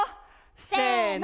せの！